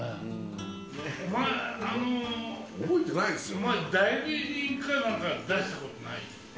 お前代理人かなんか出したことない？